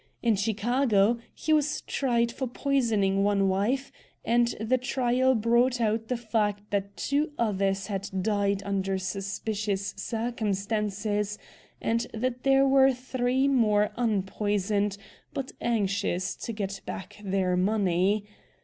In Chicago, he was tried for poisoning one wife, and the trial brought out the fact that two others had died under suspicious circumstances, and that there were three more unpoisoned but anxious to get back their money.